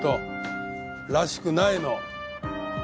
らしくないの。